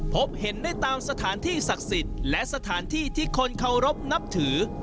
พบเห็นได้ตามสถานที่ศักดิ์สิทธิ์และสถานที่ที่คนเคารพนับถือ